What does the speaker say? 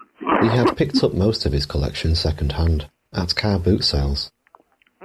He had picked up most of his collection second-hand, at car boot sales